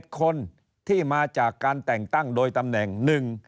๗คนที่มาจากการแต่งตั้งโดยตำแหน่ง